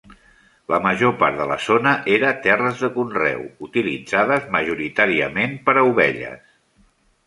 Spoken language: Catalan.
La major part de la zona era terres de conreu, utilitzades majoritàriament per a ovelles.